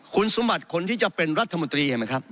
คุณสมบัติคนที่จะเป็นรัฐมนตรีเห็นไหมครับ